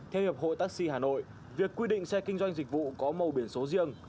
theo hiệp hội taxi hà nội việc quy định xe kinh doanh dịch vụ có màu biển số riêng